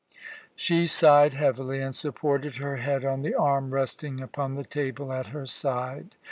She sighed heavily, and supported her head on the arm resting upon the table at her side.